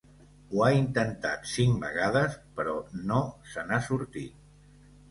Ho ha intentat cinc vegades però no se n’ha sortit.